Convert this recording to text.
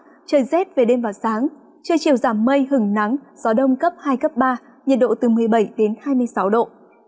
trời rét về đêm và sáng trời chiều giảm mây hừng nắng gió đông cấp hai cấp ba nhiệt độ từ một mươi bảy đến hai mươi sáu độ